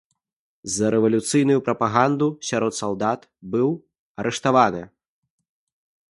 За рэвалюцыйную прапаганду сярод салдат быў арыштаваны.